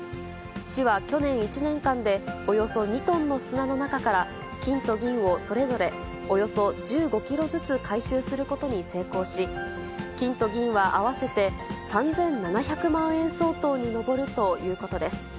市は去年１年間で、およそ２トンの砂の中から金と銀をそれぞれおよそ１５キロずつ回収することに成功し、金と銀は合わせて３７００万円相当に上るということです。